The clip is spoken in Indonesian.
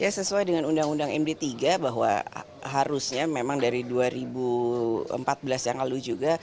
sesuai dengan undang undang md tiga bahwa harusnya memang dari dua ribu empat belas yang lalu juga